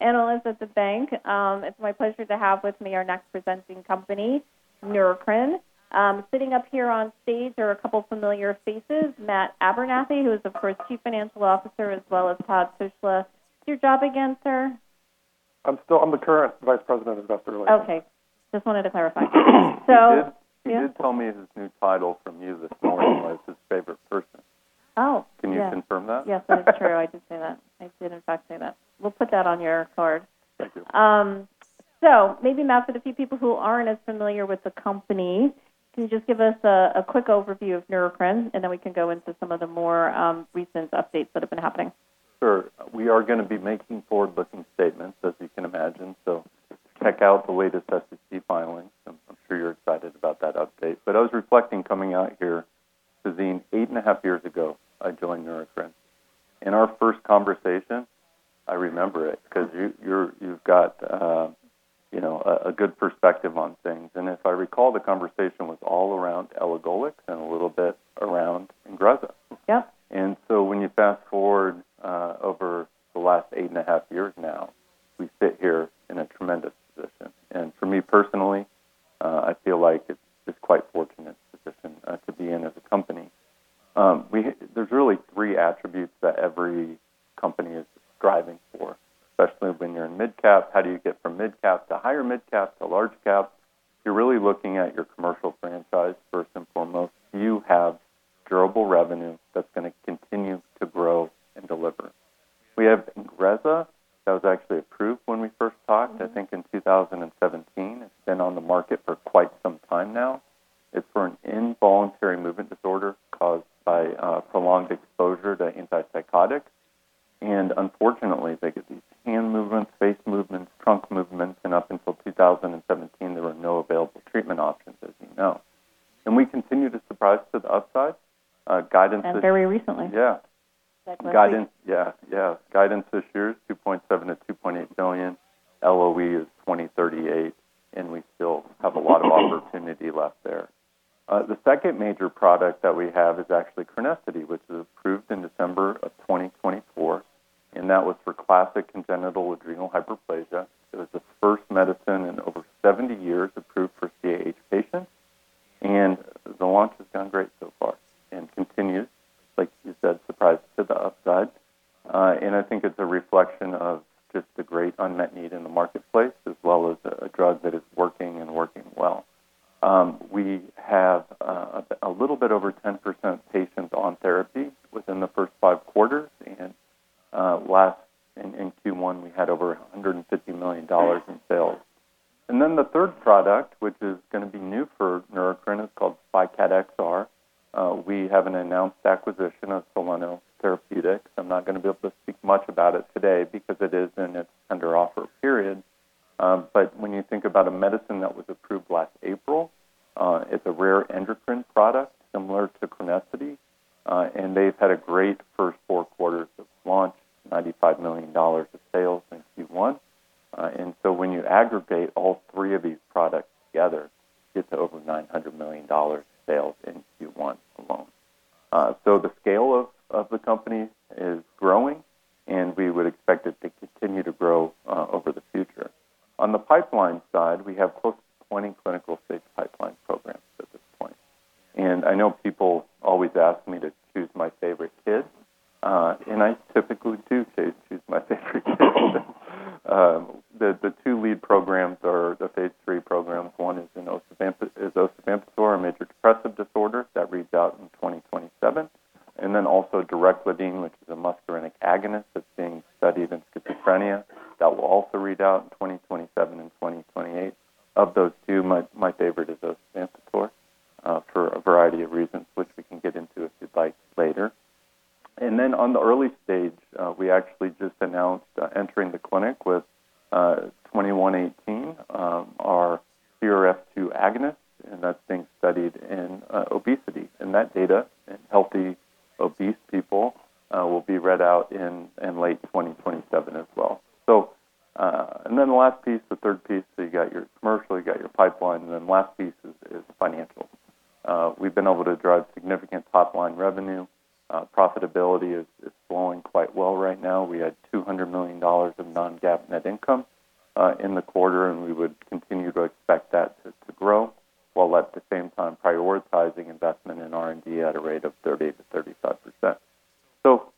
Analysts at the bank. It's my pleasure to have with me our next presenting company, Neurocrine. Sitting up here on stage are a couple familiar faces, Matt Abernethy, who is, of course, Chief Financial Officer, as well as Todd Tushla. What's your job again, sir? I'm the current Vice President of Investor Relations. Okay. Just wanted to clarify. He did- Yeah. He did tell me his new title from you this morning was his favorite person. Oh. Can you confirm that? Yes, that is true. I did say that. I did in fact say that. We'll put that on your card. Thank you. Maybe, Matt, for the few people who aren't as familiar with the company, can you just give us a quick overview of Neurocrine, and then we can go into some of the more, recent updates that have been happening? Sure. We are gonna be making forward-looking statements, as you can imagine. Check out the latest SEC filings. I'm sure you're excited about that update. I was reflecting coming out here, [Suzanne], eight and a half years ago, I joined Neurocrine. In our first conversation, I remember it 'cause you've got, you know, a good perspective on things. If I recall, the conversation was all around elagolix and a little bit around INGREZZA. Yeah. When you fast-forward, over the last 8.5 years now, we sit here in a tremendous position. For me personally, I feel like it's quite fortunate position to be in as a company. There's really three attributes that every company is striving for, especially when you're in mid-cap. How do you get from mid-cap to higher mid-cap to large cap? You're really looking at your commercial franchise first and foremost. Do you have durable revenue that's gonna continue to grow and deliver? We have INGREZZA that was actually approved when we first talked- I think in 2017. It's been on the market for quite some time now. It's for an involuntary movement disorder caused by prolonged exposure to antipsychotics. Unfortunately, they get these hand movements, face movements, trunk movements, and up until 2017, there were no available treatment options, as you know. We continue to surprise to the upside. Guidance is- Very recently. Yeah. That. Guidance this year is $2.7 billion-$2.8 billion. LOE is 2038, we still have a lot of opportunity left there. The second major product that we have is actually CRENESSITY, which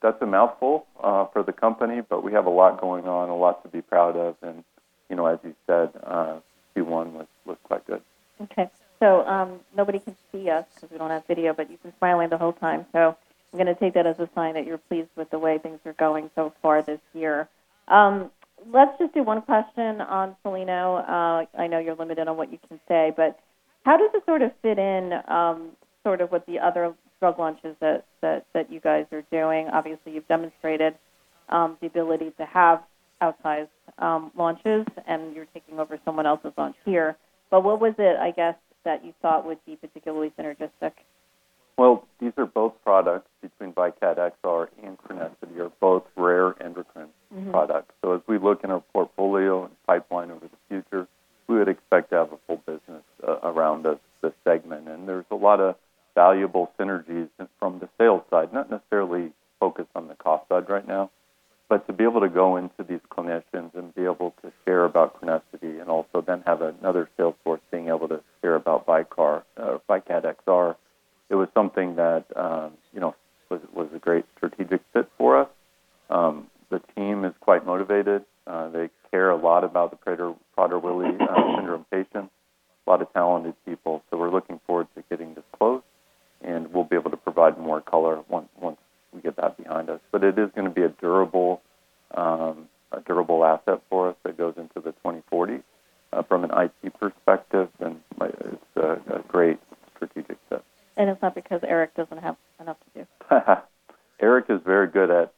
That's a mouthful for the company, but we have a lot going on, a lot to be proud of and, you know, as you said, Q1 was quite good. Okay. Nobody can see us because we don't have video, but you've been smiling the whole time. I'm gonna take that as a sign that you're pleased with the way things are going so far this year. Let's just do one question on Soleno. I know you're limited on what you can say, but how does this sort of fit in, sort of with the other drug launches that you guys are doing? Obviously, you've demonstrated the ability to have outsized launches, and you're taking over someone else's launch here. What was it, I guess, that you thought would be particularly synergistic? Well, these are both products between VYKAT xr and CRENESSITY are both rare endocrine products. As we look in our portfolio and pipeline over the future, we would expect to have a full business around this segment. There's a lot of valuable synergies from the sales side, not necessarily focus on the cost side right now. To be able to go into these clinicians and be able to share about CRENESSITY and also then have another sales force being able to hear about VYKAT XR, it was something that, you know, was a great strategic fit for us. The team is quite motivated. They care a lot about the Prader-Willi syndrome patients. A lot of talented people. We're looking forward to getting this closed, and we'll be able to provide more color once we get that behind us. It is gonna be a durable, a durable asset for us that goes into the 2040. From an IP perspective, then, it's a great strategic step. It's not because Eric doesn't have enough to do. Eric is very good at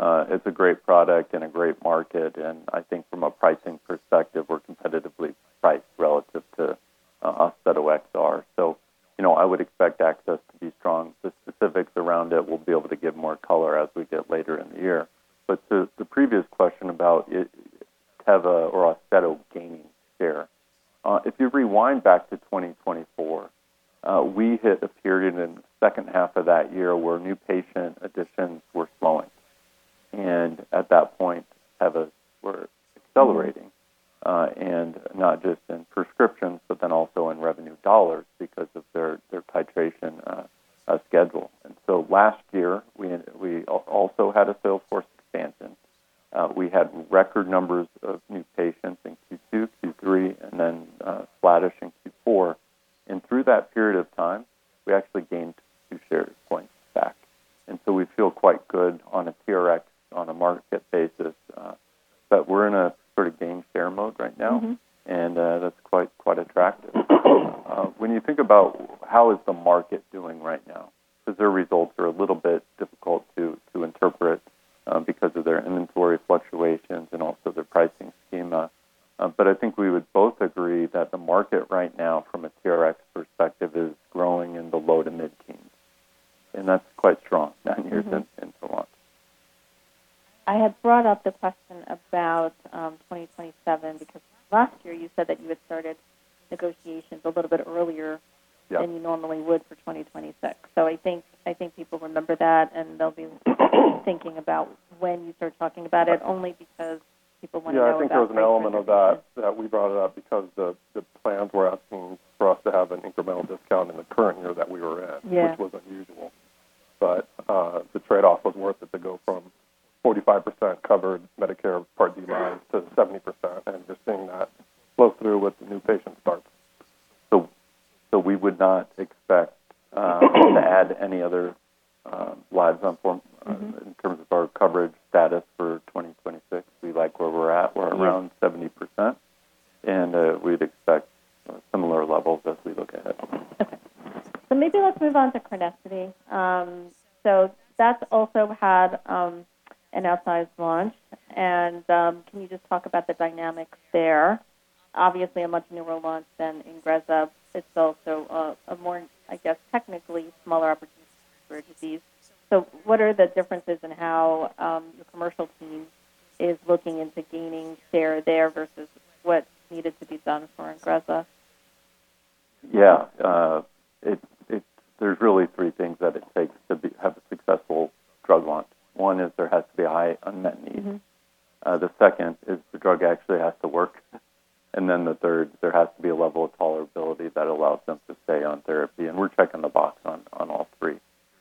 It's a great product and a great market, I think from a pricing perspective, we're competitively priced relative to AUSTEDO XR. You know, I would expect access to be strong. The specifics around it, we'll be able to give more color as we get later in the year. To the previous question about Teva or AUSTEDO gaining share, if you rewind back to 2024, we hit a period in the second half of that year where new patient additions were slowing. At that point, Teva were accelerating, not just in prescriptions, also in revenue dollars because of their titration schedule. Last year, we also had a sales force expansion. We had record numbers Maybe let's move on to CRENESSITY. That's also had an outsized launch and can you just talk about the dynamics there? Obviously, a much newer launch than INGREZZA. It's also a more, I guess, technically smaller opportunity for disease. What are the differences in how the commercial team is looking into gaining share there versus what needed to be done for INGREZZA? Yeah. there's really three things that it takes to have a successful drug launch. One is there has to be a high unmet need. The second is the drug actually has to work. The third, there has to be a level of tolerability that allows them to stay on therapy, and we're checking the box on all three.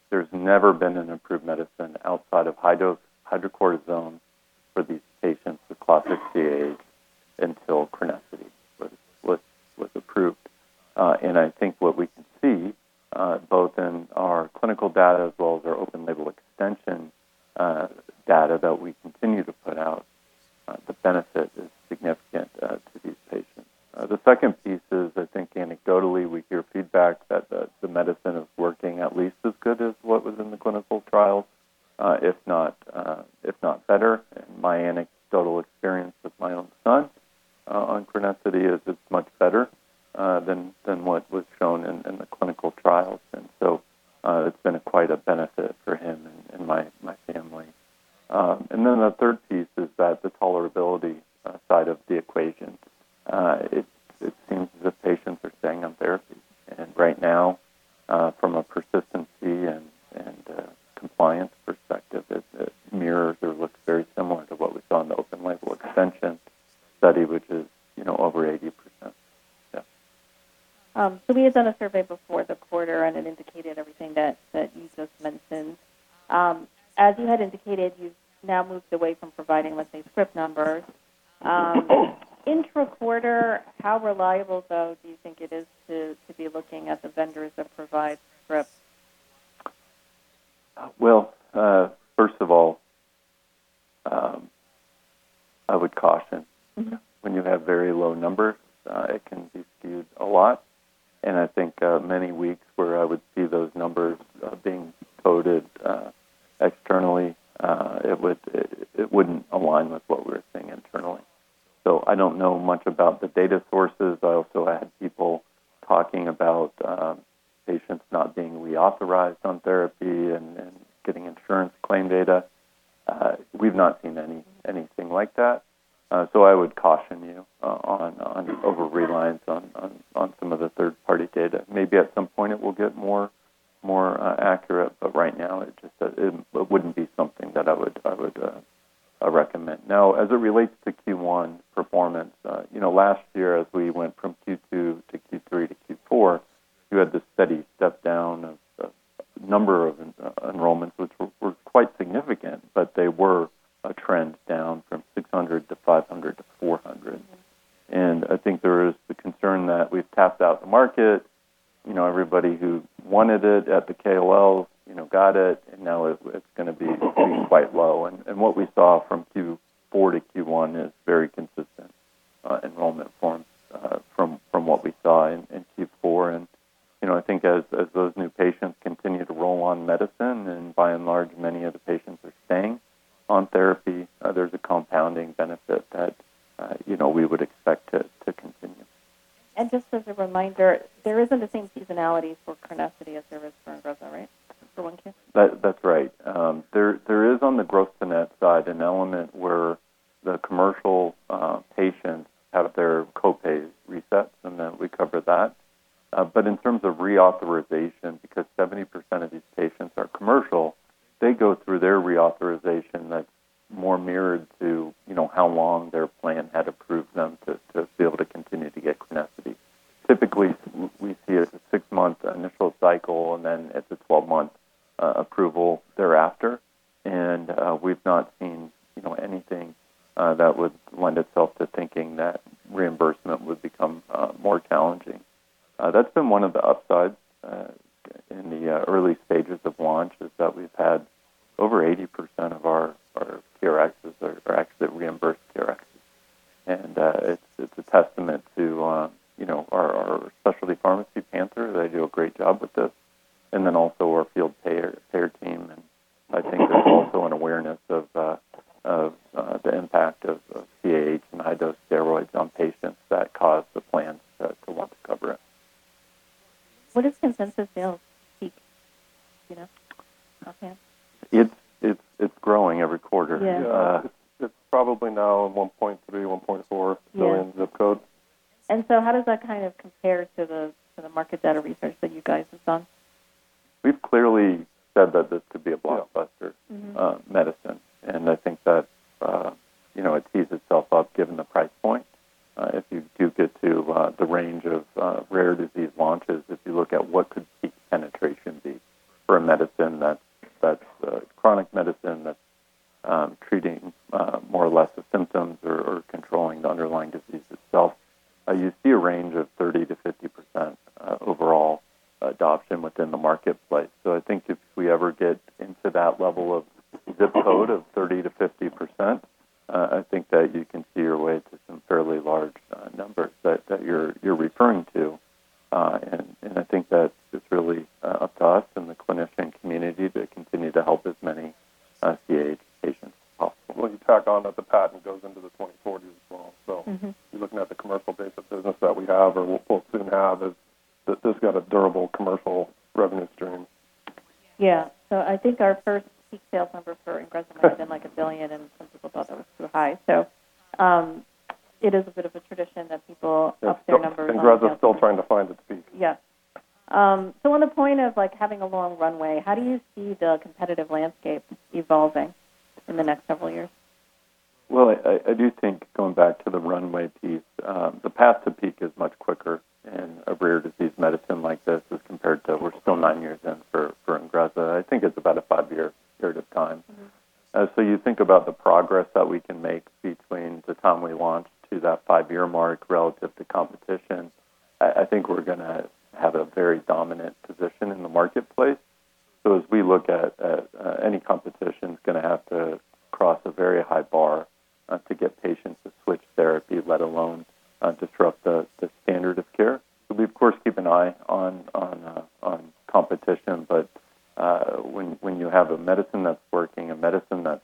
There's never been an improved medicine outside of high dose hydrocortisone for these patients with classic CAH until CRENESSITY was approved. I think what we can see, both in our clinical data as well as provide scripts? Well, first of all, I would caution. When you have very low numbers, it can be skewed a lot. I think many weeks where I would see those numbers being coded externally, it wouldn't align with what we were seeing internally. I don't know much about the data sources. I also had people talking about patients not being reauthorized on therapy and getting insurance claim data. We've not seen anything like that. I would caution you on over-reliance on some of the third-party data. Maybe at some point it will get more accurate, but right now it just wouldn't be something that I would recommend. As it relates to Q1 performance, you know, last year as we went from Q2 to Q3 to Q4, you had this steady step down of number of enrollments, which were quite significant, but they were a trend down from 600 to 500 to 400. I think there is the concern that we've tapped out the market. You know, everybody who wanted it at the KOL, you know, got it, and now it's gonna be quite low. What we saw from Q4 to Q1 is very consistent enrollment forms from what we saw in Q4. You know, I think as those new patients continue to roll on medicine, and by and large, many of the patients are staying on therapy, there's a compounding benefit that, you know, we would expect to continue. Just as a reminder, there What does consensus sales peak, you know, on PAN? It's growing every quarter. Yeah. Uh- Yeah. It's probably now 1.3, 1.4. Yeah. Million ZIP code. How does that kind of compare to the market data research that you guys have done? We've clearly said that this could be a blockbuster. Yeah. medicine. I think that, you know, it tees itself up given the price point. If you do get to the range of rare disease launches, if you look at what could peak penetration be for a medicine that's chronic medicine that's treating more or less the symptoms or controlling the underlying disease itself, you see a range of 30%-50% overall adoption within the marketplace. I think if we ever get into that level of ZIP code of 30%-50%, I think that you can see your way to some fairly large numbers that you're referring to. I think that it's really up to us and the clinician community to continue to help as many CAH patients as possible. Well, you tack on that the patent goes into the 2040s as well. You're looking at the commercial base of business that we have or we'll soon have is that this has got a durable commercial revenue stream. Yeah. I think our first peak sales number for INGREZZA might've been like $1 billion, and some people thought that was too high. It is a bit of a tradition that people up their numbers on. INGREZZA's still trying to find its peak. Yeah. On the point of, like, having a long runway, how do you see the competitive landscape evolving in the next several years? Well, I do think going back to the runway piece, the path to peak is much quicker in a rare disease medicine like this as compared to we're still nine years in for INGREZZA. I think it's about a five-year period of time. You think about the progress that we can make between the time we launch to that five-year mark relative to competition, I think we're gonna have a very dominant position in the marketplace. As we look at, any competition's gonna have to cross a very high bar, to get patients to switch therapy, let alone, disrupt the standard of care. We'll be, of course, keep an eye on competition. When you have a medicine that's working, a medicine that's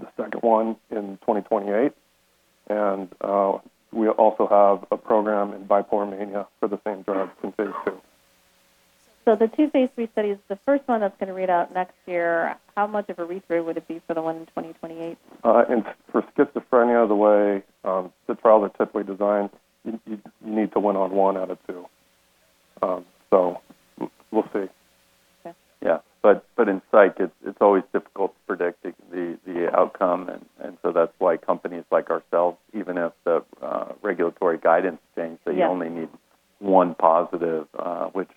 the second one in 2028. We also have a program in bipolar mania for the same drug in phase II. The two phase III studies, the first one that's gonna read out next year, how much of a read-through would it be for the one in 2028? For schizophrenia, the way the trials are typically designed, you need to win on one out of two. We'll see. Okay. Yeah. In psych, it's always difficult to predict the outcome. That's why companies like ourselves, even if the regulatory guidance says. Yeah that you only need one positive, which, you know,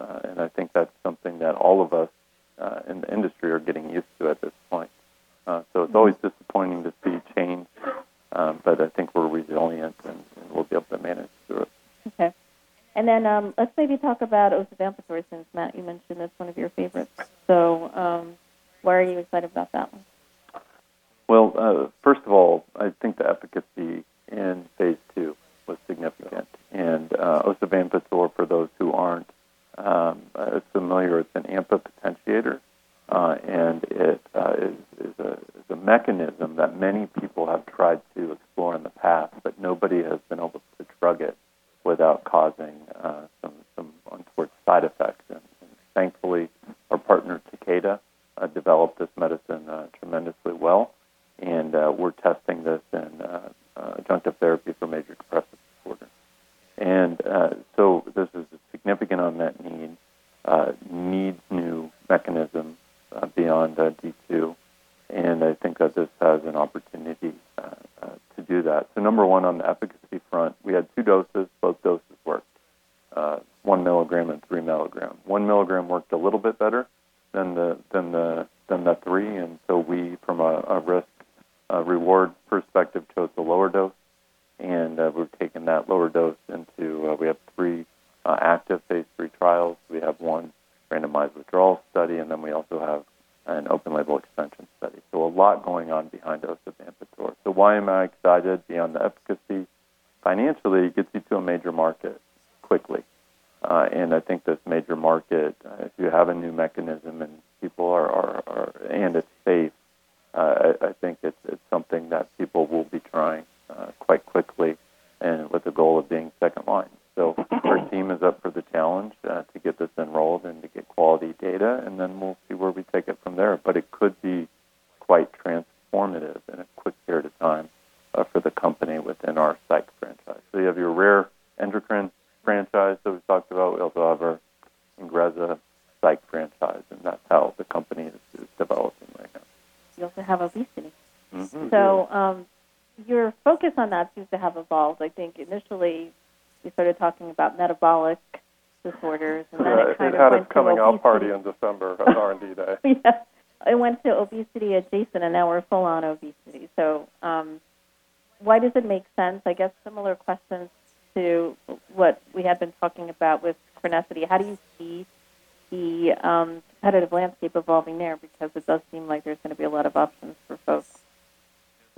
I think that's something that all of us in the industry are getting used to at this point. It's always disappointing to see change. I think we're resilient, and we'll be able to manage through it. Okay. Let's maybe talk about osavampator since, Matt, you mentioned that's one of your favorites. Why are you excited about that one? First of all, I think the efficacy in phase II was significant. Osavampator, for those who aren't familiar, it's an AMPA potentiator. It is a mechanism that many people have tried to explore in the past, but nobody has been able to drug it without causing some untoward side effects. Thankfully, our partner, Takeda, developed this medicine tremendously well. We're testing this in adjunctive therapy for major depressive disorder. This is a significant unmet need, needs new mechanisms beyond D2, and I think that this has an opportunity to do that. Number one, on the efficacy front, we had two doses. Both doses worked, one milligram and three milligram. 1 mg worked a little bit better than the three and so we, from a risk reward perspective, chose the lower dose. We've taken that lower dose into, we have three active phase III trials. We have one randomized withdrawal study, and then we also have an open label extension study. A lot going on behind osavampator. Why am I excited beyond the efficacy? Financially, it gets you to a major market quickly. I think this major market, if you have a new mechanism and people are and it's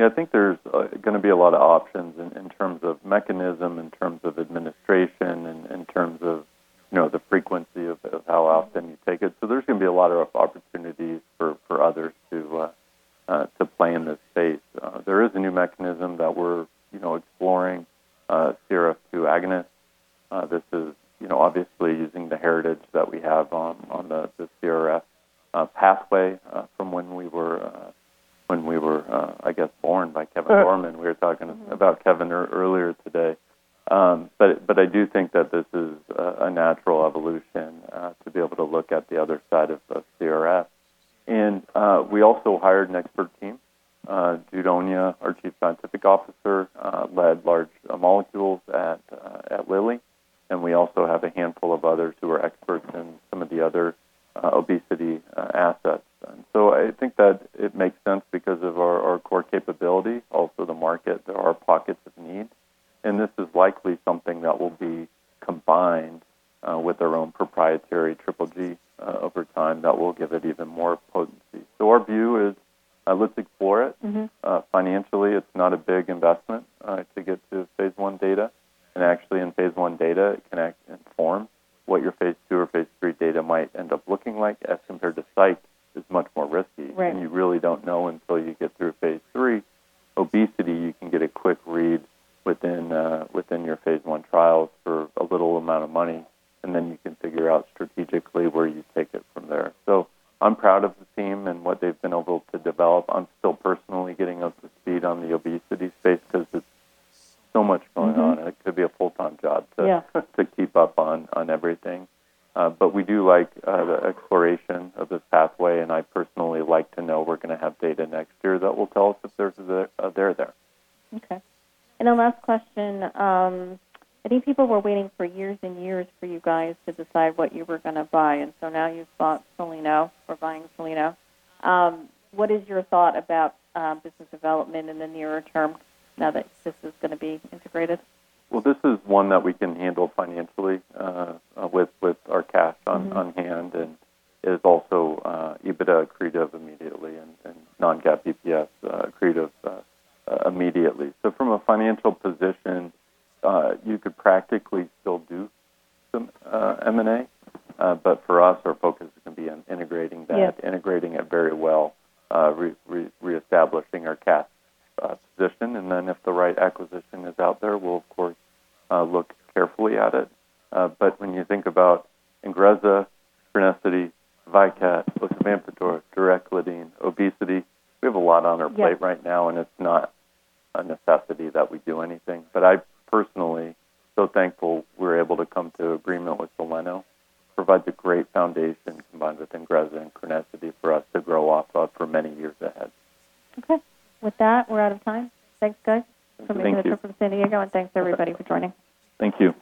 I think there's gonna be a lot of options in terms of mechanism, in terms of administration, in terms of, you know, the frequency of how often you take it. There's gonna be a lot of opportunities for others to play in this space. There is a new mechanism that we're, you know, exploring, CRF2 agonist. This is, you know, obviously using the heritage that we have on the CRF pathway, from when we were, when we were, I guess, born by Kevin Gorman. We were talking about Kevin earlier today. I do think that this is a natural evolution to be able to look at the other side of CRF. We also hired an expert team. Jude Onyia, our Chief Scientific Officer, led large molecules at Lilly, and we also have a handful of others who are experts in some of the other obesity assets. I think that it makes sense because of our core capability. Also the market, there are pockets of need, and this is likely something that will be combined with our own proprietary triple G over time that will give it even more potency. Our view is, let's explore it. Financially, it's not a big investment to get to phase I data. Actually, in phase I data, it can inform what your phase II or phase III data might end up looking like, as compared to psych is much more risky. Right. You really don't know until you get through phase III. Obesity, you can get a quick read within your phase I trials for a little amount of money, and then you can figure out strategically where you take it from there. I'm proud of the team and what they've been able to develop. I'm still personally getting up to speed on